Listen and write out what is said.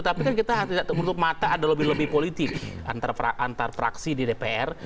tapi kan kita tidak menutup mata ada lebih lebih politik antar fraksi di dpr